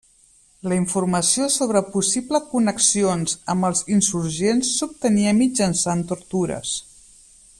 La informació sobre possible connexions amb els insurgents s'obtenia mitjançant tortures.